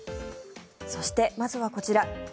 そして、まずはこちら。